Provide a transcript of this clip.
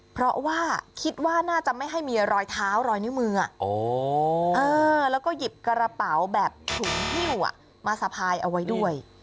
เพราะว่าคิดว่าน่าจะไม่ให้มีรอยเท้ารอยนิ้วมือแล้วก็หยิบกระเป๋าแบบถุงหิ้วมาสะพายเอาไว้ด้วย